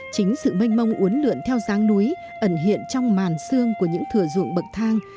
chính sự mênh mông uốn lượn theo dáng núi ẩn hiện trong màn xương của những thừa ruộng bậc thang